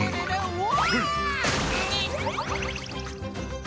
うわ！